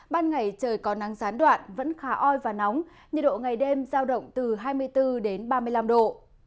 ban ngày trời con nắng gián đoạn vẫn khá oi và nóng nền nhiệt độ ngày đêm giao động từ hai mươi bốn đến ba mươi năm độ